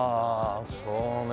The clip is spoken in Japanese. そうね。